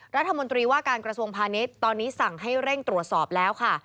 รัฐมนตรีว่าการกระทรวงพาณิชย์ตอนนี้สั่งให้เร่งตรวจสอบแล้วค่ะ